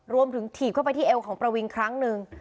ถีบเข้าไปที่เอวของประวิงครั้งหนึ่ง